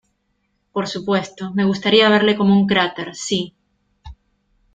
Por supuesto, me gustaría verle como un cráter. ¡ sí!